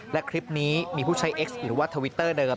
และคลิปนี้มีผู้ใช้เอ็กซ์หรือว่าทวิตเตอร์เดิม